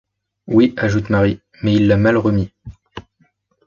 Oui, ajoute Marie, mais il l’a mal remis.